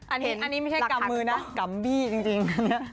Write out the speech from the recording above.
อันนี้ไม่ใช่กำมือนะกำบี้จริงอันนี้